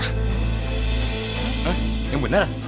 hah yang bener